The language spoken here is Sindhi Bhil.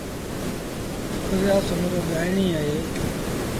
ڦوزيآ سومرو ڳآئيڻيٚ اهي۔